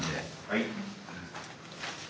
はい。